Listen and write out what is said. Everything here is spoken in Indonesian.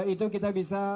itu kita bisa